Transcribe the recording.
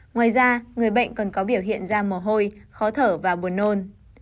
ngoài ra người bệnh còn có biểu hiện da mồ hôi khó thở và buồn nôn